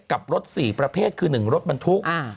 กับรถ๔ประเภทคือ๑รถบรรทุก